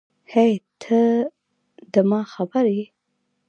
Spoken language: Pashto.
هی ته ده ما خبر یی